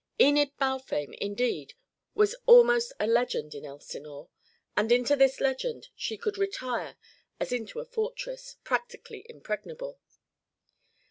Enid Balfame, indeed, was almost a legend in Elsinore, and into this legend she could retire as into a fortress, practically impregnable.